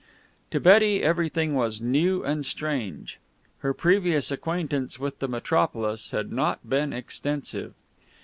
To Betty everything was new and strange. Her previous acquaintance with the metropolis had not been extensive.